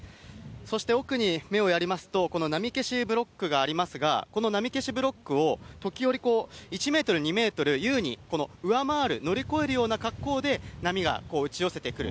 そして奥に目をやりますと、この波消しブロックがありますが、この波消しブロックを時折１メートル、２メートル優に上回る、乗り越えるような格好で、波が打ち寄せてくる。